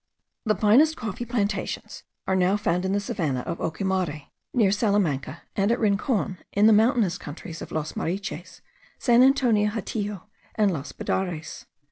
The finest coffee plantations are now found in the savannah of Ocumare, near Salamanca, and at Rincon, in the mountainous countries of Los Mariches, San Antonio Hatillo, and Los Budares.